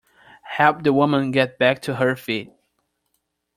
Help the woman get back to her feet.